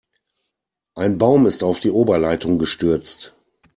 Ein Baum ist auf die Oberleitung gestürzt.